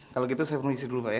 kalau gitu saya kondisi dulu pak ya